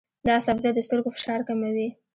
دا سبزی د سترګو فشار کموي.